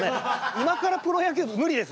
今からプロ野球は無理です。